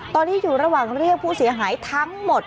ตอนนี้อยู่ระหว่างเรียกผู้เสียหายทั้งหมด